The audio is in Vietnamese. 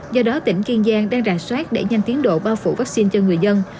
do đó tỉnh kiên giang đang rà soát để nhanh tiến độ bao phủ vaccine cho người dân